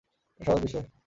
এটা সহজ বিষয়।